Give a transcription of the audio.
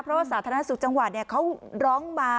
เพราะว่าสาธารณสุขจังหวัดเขาร้องมา